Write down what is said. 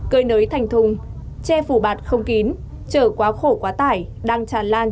cơi nới thành thùng che phủ bạt không kín chở quá khổ quá tải đang tràn lan trên mặt đất